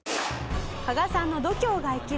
「加賀さんの度胸が生きる